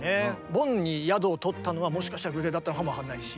ボンに宿を取ったのはもしかしたら偶然だったのかも分かんないし。